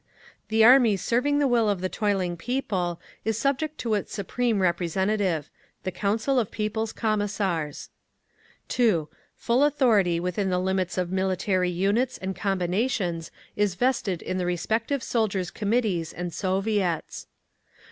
The army serving the will of the toiling people is subject to its supreme representative—the Council of People's Commissars. 2. Full authority within the limits of military units and combinations is vested in the respective Soldiers' Committees and Soviets.